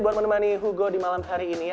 buat menemani hugo di malam hari ini ya